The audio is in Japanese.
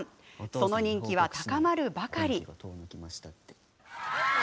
その人気は高まるばかり。